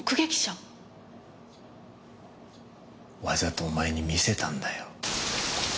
わざとお前に見せたんだよ。